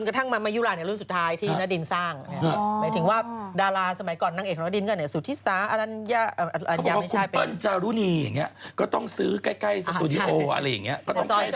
ดารารุ่นทั้งหลายก็จะหยุดรอบ